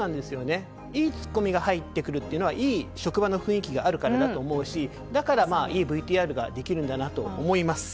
いいツッコミが入ってくるのはいい職場の雰囲気があるからでだから、いいＶＴＲができるんだなと思います。